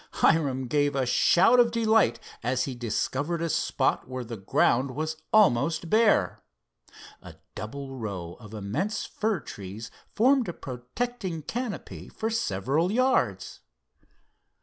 Hiram gave a shout of delight as he discovered a spot where the ground was almost bare. A double row of immense fir trees formed a protecting canopy for several yards.